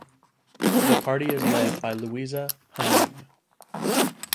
The party is led by Louisa Hanoune.